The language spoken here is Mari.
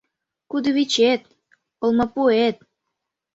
Кудывечет — олмапуэт.